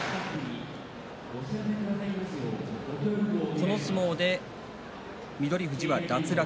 この相撲で翠富士は脱落。